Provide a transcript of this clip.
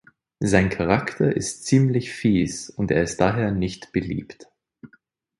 Sein Charakter ist ziemlich fies und er ist daher nicht beliebt.